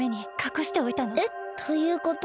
えっということは。